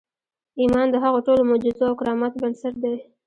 ايمان د هغو ټولو معجزو او کراماتو بنسټ دی.